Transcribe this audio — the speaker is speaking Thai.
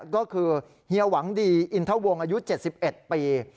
ก็คือเฮียหวังดีอินทะวงอายุ๗๑ปี